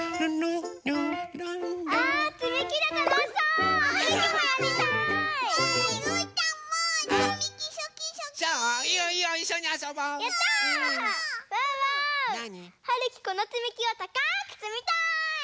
なあに？はるきこのつみきをたかくつみたい！